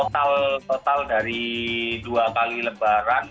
total dari dua kali lebaran